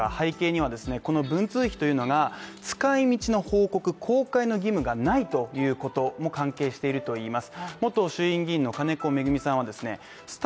背景にはこの文通費というのが、使い道の報告公開の義務がないということも関係しているといいます。